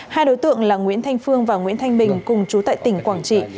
hai đối tượng là nguyễn thanh phương và nguyễn thanh bình cùng chú tại tỉnh quảng trị